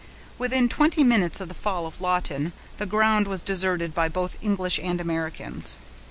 Within twenty minutes of the fall of Lawton, the ground was deserted by both English and Americans.